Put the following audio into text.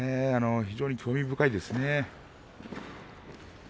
非常に興味深いですね。